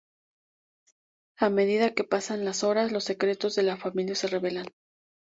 A medida que pasan las horas, los secretos de la familia se revelan.